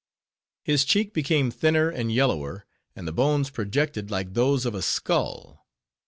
His cheek became thinner and yellower, and the bones projected like those of a skull.